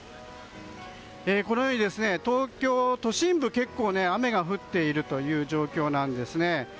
このように、東京都心部結構雨が降っている状況です。